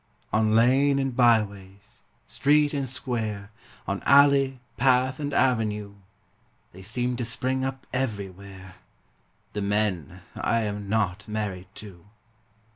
On lane and byways, street and square, On alley, path and avenue, They seem to spring up everywhere The men I am not married to.